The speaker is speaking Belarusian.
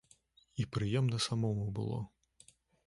І прыемна самому было.